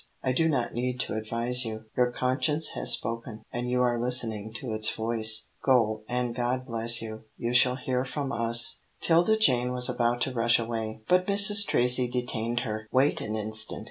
I do not need to advise you. Your conscience has spoken, and you are listening to its voice. Go, and God bless you. You shall hear from us." 'Tilda Jane was about to rush away, but Mrs. Tracy detained her. "Wait an instant.